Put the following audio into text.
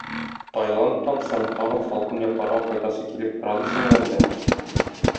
Таиландтан соң тагын салкын якларга кайтасы килеп тора дисеңме әллә?